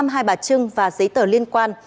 một trăm tám mươi năm hai bà trưng và giấy tờ liên quan